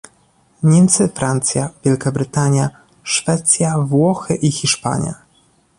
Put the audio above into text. Niemcy, Francja, Wielka Brytania, Szwecja, Włochy i Hiszpania